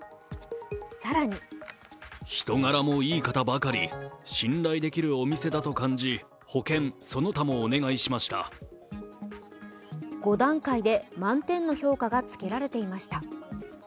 更に５段階で満点の評価がつけられていました。